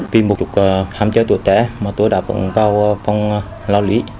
vì một chục ham chơi tuổi trẻ mà tôi đã vận vào phòng lo lý